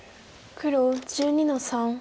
黒１２の三。